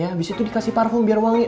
habis itu dikasih parfum biar wangi